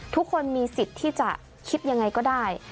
ทุกคนมีสิทธิ์ที่จะคิดยังไงก็ได้